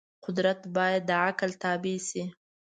قدرت باید د عقل تابع شي.